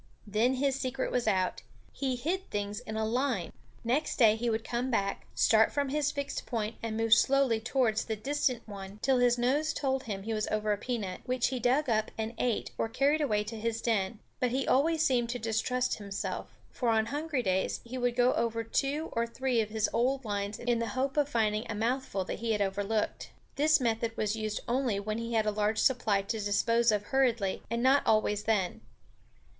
Then his secret was out; he hid things in a line. Next day he would come back, start from his fixed point and move slowly towards the distant one till his nose told him he was over a peanut, which he dug up and ate or carried away to his den. But he always seemed to distrust himself; for on hungry days he would go over two or three of his old lines in the hope of finding a mouthful that he had overlooked. This method was used only when he had a large supply to dispose of hurriedly, and not always then.